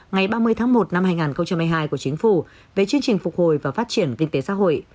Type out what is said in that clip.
ngày ba mươi tháng một năm hai nghìn hai mươi hai của chính phủ về chương trình phục hồi và phát triển kinh tế xã hội